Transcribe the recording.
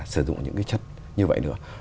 sử dụng những cái chất như vậy nữa